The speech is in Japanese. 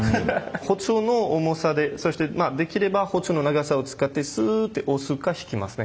包丁の重さでそしてできれば包丁の長さを使ってスッて押すか引きますね。